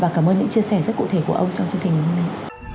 và cảm ơn những chia sẻ rất cụ thể của ông trong chương trình ngày hôm nay